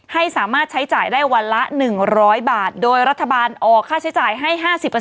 ให้สามารถใช้จ่ายได้วันละ๑๐๐บาทโดยรัฐบาลออกค่าใช้จ่ายให้๕๐